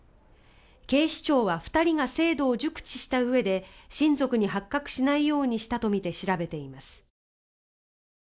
警視庁は２人が制度を熟知したうえで親族に発覚しないようにしたとみて調べています。